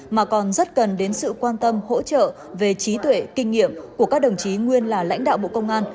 mà còn rất cần đến sự quan tâm hỗ trợ về trí tuệ kinh nghiệm của các đồng chí nguyên là lãnh đạo bộ công an